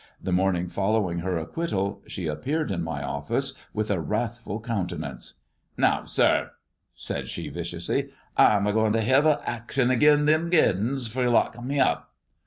The morning following her acquittal, she appeared in my office with a wrathful countenance. " Now, sir," said she viciously, " I'm ago win' to hev a action agin thim Gardins fur loekin' me up."